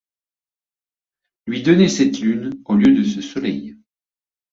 Lui donner cette lune au lieu de ce soleil